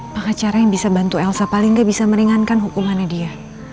pengacara yang bisa bantu elsa paling tidak bisa meringankan hukumannya dia